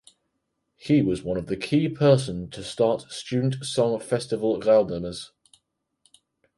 He was one of the key person to start student song festival Gaudeamus.